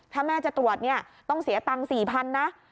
ถ้าแม่จะตรวจเนี่ยต้องเสียตังค์๔๐๐๐นะ